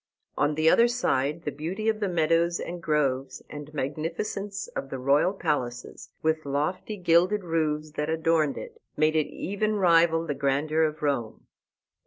On the other side the beauty of the meadows and groves, and magnificence of the royal palaces, with lofty gilded roofs that adorned it, made it even rival the grandeur of Rome.